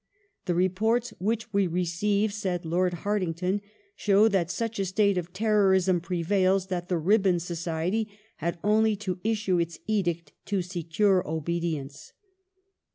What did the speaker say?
" The reports which we receive," said Lord Hai tington, " show that such a state of terrorism prevails that the (Ribbon) Society had only to issue its edict to secure obedience.